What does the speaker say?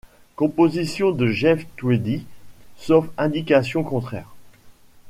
Compositions de Jeff Tweedy, sauf indication contraire.